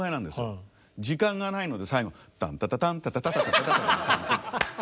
時間がないので最後タンタタタンタタタタタタタタタン。